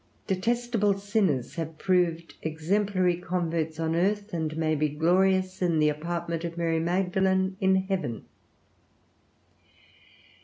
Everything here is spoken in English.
Detestable sinners have proved exemplary converts on earth, and may be glorious in the apartment of Mary Magdalen in heaven.